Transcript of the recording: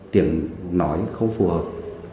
tiếng nói không phù hợp